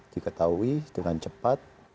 diketahui dengan cepat